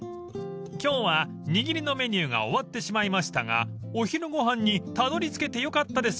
［今日はにぎりのメニューが終わってしまいましたがお昼ご飯にたどり着けてよかったですね］